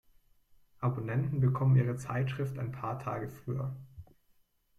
Abonnenten bekommen ihre Zeitschrift ein paar Tage früher.